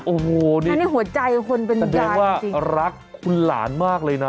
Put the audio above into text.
โอ้โฮนี่คุณเป็นญาติจริงคุณรักคุณหลานมากเลยนะ